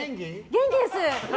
元気です。